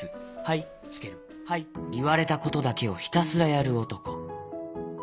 いわれたことだけをひたすらやるおとこ。